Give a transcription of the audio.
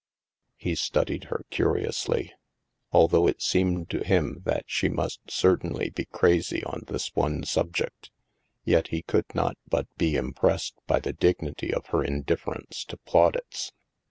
He studied her curiously. Although it seemed to him that she must certainly be crazy on this one subject, yet he could not but be impressed by the dignity of her indifference to plaudits.